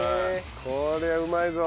これはうまいぞ！